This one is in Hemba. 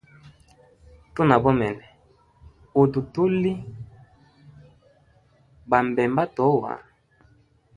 Tuna bomene, hutu tuli ba mbemba atoa.